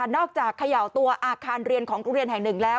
นอกจากเขย่าตัวอาคารเรียนของโรงเรียนแห่งหนึ่งแล้ว